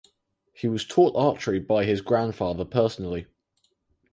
He was taught archery by his grandfather personally.